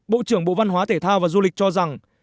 bộ trưởng bộ văn hóa thể thao và du lịch cho rằng